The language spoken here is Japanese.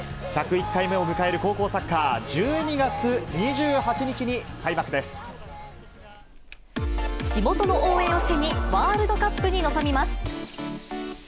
１０１回目を迎える高校サッカー、地元の応援を背に、ワールドカップに臨みます。